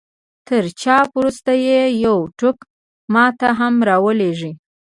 تر چاپ وروسته يې يو ټوک ما ته هم را ولېږئ.